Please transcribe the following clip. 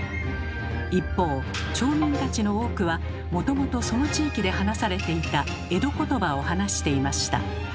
一方町民たちの多くはもともとその地域で話されていた「江戸言葉」を話していました。